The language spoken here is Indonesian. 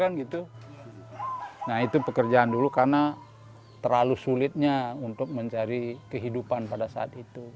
nah itu pekerjaan dulu karena terlalu sulitnya untuk mencari kehidupan pada saat itu